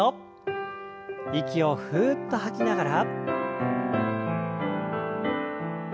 息をふっと吐きながら。